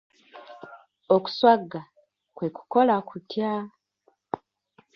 Okuswaga kwe kukola kutya?